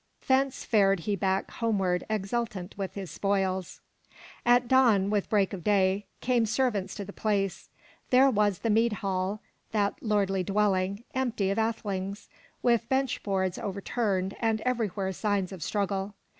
Thence fared he back home ward exultant with his spoils. At dawn, with break of day, came servants to the place. There was the mead hall, that lordly dwelling, empty of athelings, with bench boards over turned and everywhere signs of struggle.